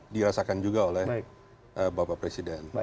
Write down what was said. dirasakan juga oleh bapak presiden